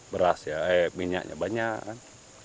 beras ya eh minyaknya banyak kan